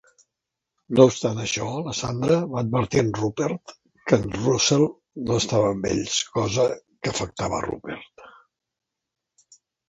No obstant això, la Sandra va advertir a en Rupert que en Russell no estava amb ells, cosa que afectava a Rupert.